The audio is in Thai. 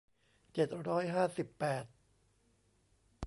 เจ็ดร้อยห้าสิบแปด